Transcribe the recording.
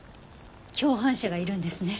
共犯者がいるんですね。